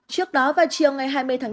trước đó vào chiều ngày hai mươi tháng năm